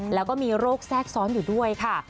แล้วก็มีโรคแทรกซ้อนอยู่ด้วยค่ะ